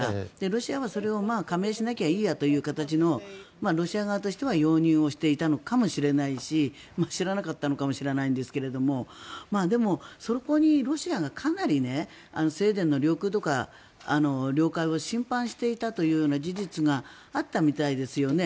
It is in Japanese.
ロシアはそれを加盟しなきゃいいやという形のロシア側としては容認していたのかもしれないし知らなかったのかもしれないんですがでも、そこにロシアがかなりスウェーデンの領空とか領海を侵犯していたというような事実があったみたいですよね。